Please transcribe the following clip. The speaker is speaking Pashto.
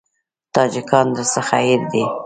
تاجکان درڅخه هېر دي.